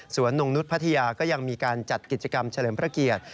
นงนุษย์พัทยาก็ยังมีการจัดกิจกรรมเฉลิมพระเกียรติ